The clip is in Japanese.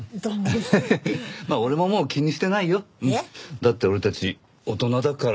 だって俺たち大人だから。